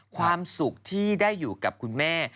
ความสุขที่ได้อยู่กับคุณแม่